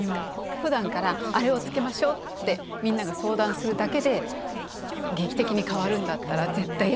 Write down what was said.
ふだんからあれをつけましょうってみんなが相談するだけで劇的に変わるんだったら絶対やっといたほうがいいですね。